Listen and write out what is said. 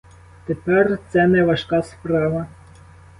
Тепер це не важка справа.